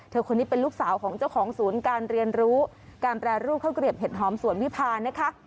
คนนี้เป็นลูกสาวของเจ้าของศูนย์การเรียนรู้การแปรรูปข้าวเกลียบเห็ดหอมสวนวิพานะคะ